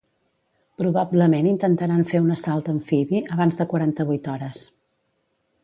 Probablement intentaran fer un assalt amfibi abans de quaranta-vuit hores.